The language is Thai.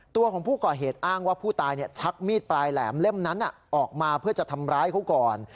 ตัวของผู้ก่อเหตุอ้างว่าผู้ตายชักมีดปลายแหลมเล่มนั้นออกมาเพื่อจะทำร้ายเขาก่อน